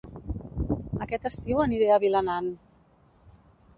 Aquest estiu aniré a Vilanant